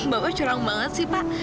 bapak curang banget sih pak